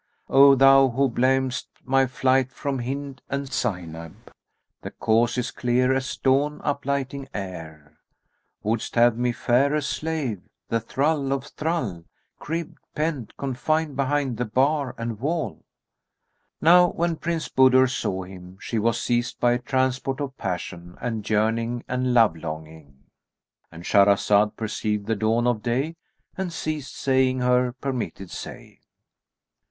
Oh thou, who blam'st my flight from Hind and Zaynab, * The cause is clear as dawn uplighting air! Would'st have me fare[FN#267] a slave, the thrall of thrall, * Cribbed, pent, confined behind the bar and wall?" Now when Princess Budur saw him, she was seized by a transport of passion and yearning and love longing,—And Shahrazad per ceived the dawn of day and ceased saying her permitted say.